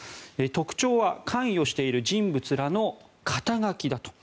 特徴は関与している人物らの肩書だと。